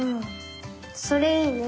それいいね。